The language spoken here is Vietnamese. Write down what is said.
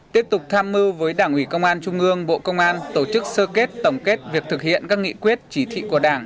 tiếp tục tham mưu với đảng ủy công an trung ương bộ công an tổ chức sơ kết tổng kết việc thực hiện các nghị quyết chỉ thị của đảng